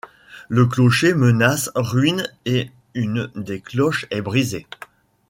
Le clocher menace ruine et une des cloches est brisée.